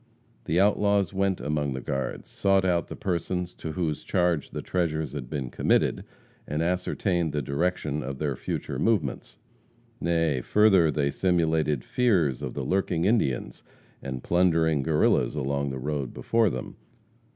The outlaws went among the guards, sought out the persons to whose charge the treasures had been committed, and ascertained the direction of their future movements. Nay, further, they simulated fears of the lurking Indians and plundering Guerrillas along the road before them.